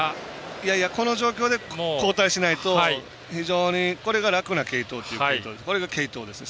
いやいやこの状況で交代しないと非常に、これが楽な継投これが継投ということですね。